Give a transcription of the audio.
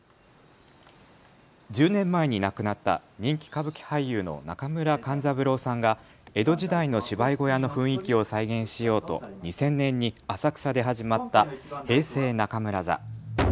１０年前に亡くなった人気歌舞伎俳優の中村勘三郎さんが江戸時代の芝居小屋の雰囲気を再現しようと２０００年に浅草で始まった平成中村座。